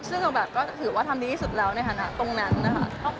ซึ่งแบบก็ถือว่าทำดีที่สุดแล้วในฐานะตรงนั้นนะคะ